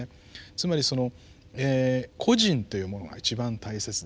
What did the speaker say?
つまりその個人というものが一番大切でしょう。